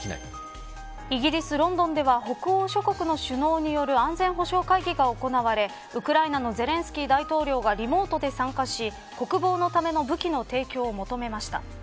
イギリス、ロンドンでは北欧諸国の首脳による安全保障会議が行われウクライナのゼレンスキー大統領がリモートで参加し国防のための武器の提供を求めました。